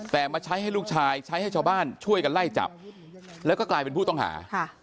แต่มาใช้ให้ลูกชายใช้ให้ชาวบ้านช่วยกันไล่จับแล้วก็กลายเป็นผู้ต้องหา